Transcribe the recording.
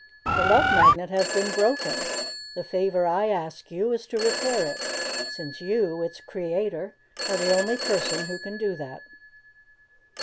The Love Magnet has been broken. The favor I ask you is to repair it, since you, its creator, are the only person who can do that."